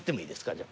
じゃあ。